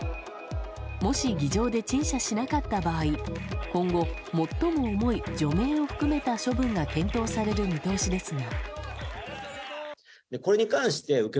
もし、議場で陳謝しなかった場合今後、最も重い除名を含めた処分が検討される見通しですが。